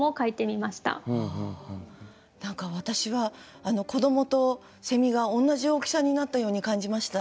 何か私は子どもとがおんなじ大きさになったように感じました。